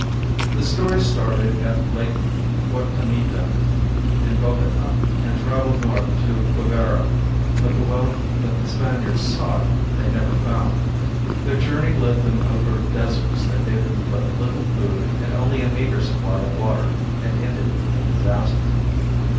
The story started at Lake Guatanita in Bogota, and traveled north to Quivera, but the wealth that the Spaniards sought they never found. Their journey led them over deserts that gave them but little food and only a meager supply of water, and ended in disaster.